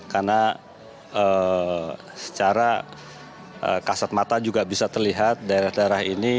karena secara kasat mata juga bisa terlihat daerah daerah ini